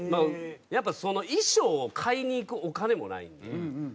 やっぱ衣装を買いに行くお金もないんで。